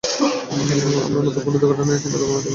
আমরা নতুন কোন দুর্ঘটনা নিয়ে চিন্তা করব না, ঠিক আছে?